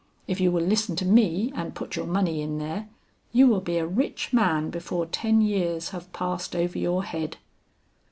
If you will listen to me and put your money in there, you will be a rich man before ten years have passed over your head.'